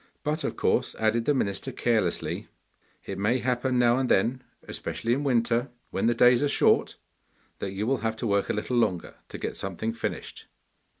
'But, of course,' added the minister carelessly, 'it may happen now and then, especially in winter, when the days are short, that you will have to work a little longer, to get something finished.